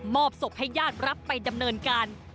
อบศพให้ญาติรับไปดำเนินการ